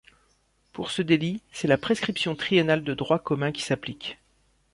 Pour ce délit c’est la prescription triennale de droit commun qui s’applique.